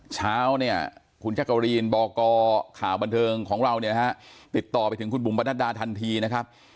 เช้าเนี่ยคุณจักรีนบอกกข่าวบันเทิงของเราเนี่ยนะฮะติดต่อไปถึงคุณบุ๋มประนัดดาทันทีนะครับ